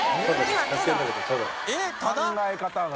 考え方が。